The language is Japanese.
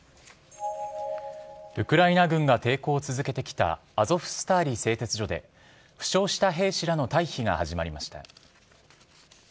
ウクライナ軍が抵抗を続けてきたアゾフスターリ製鉄所で負傷した兵士らの退避が始まりました。